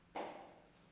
gak ada apa apa